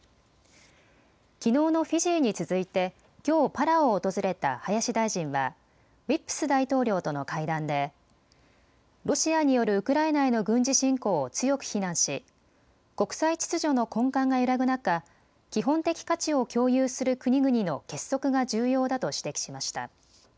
きのうのフィジーに続いてきょうパラオを訪れた林大臣はウィップス大統領との会談でロシアによるウクライナへの軍事侵攻を強く非難し国際秩序の根幹が揺らぐ中、基本的価値を共有する国々の結束が重要だと指摘しました。